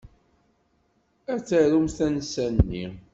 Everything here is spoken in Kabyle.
Ad tarumt tansa-nni.